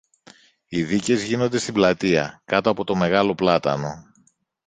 Οι δίκες γίνονται στην πλατεία, κάτω από το μεγάλο πλάτανο.